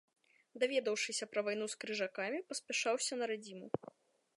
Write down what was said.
Даведаўшыся пра вайну з крыжакамі, паспяшаўся на радзіму.